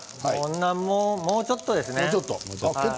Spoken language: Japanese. もうちょっとですね。